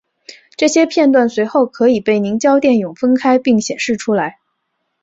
这些片断随后可被凝胶电泳分开并显示出来。